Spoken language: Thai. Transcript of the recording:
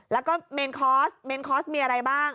แล้วก็เมนคอร์สมีอะไรบ้าง